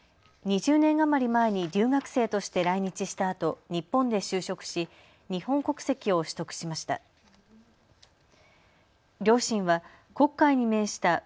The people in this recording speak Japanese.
２０年余り前に留学生として来日したあと、日本で就職し日本国籍を取得しました。